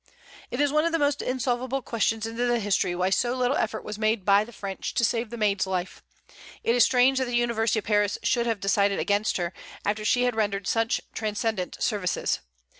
It is one of the most insolvable questions in history why so little effort was made by the French to save the Maid's life. It is strange that the University of Paris should have decided against her, after she had rendered such transcendent services.